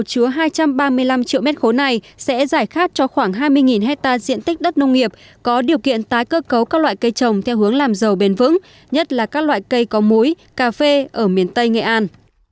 chứa hai trăm ba mươi năm triệu m ba này sẽ giải khát cho khoảng hai mươi hectare diện tích đất nông nghiệp có điều kiện tái cơ cấu các loại cây trồng theo hướng làm giàu bền vững nhất là các loại cây có mũi cà phê ở miền tây nghệ an